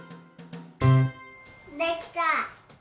できた！